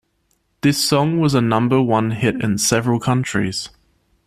This song was a number one hit in several countries.